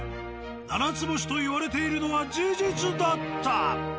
７つ星といわれているのは事実だった。